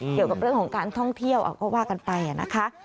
เกี่ยวกับเรื่องของการท่องเที่ยวก็ว่ากันไปนะคะ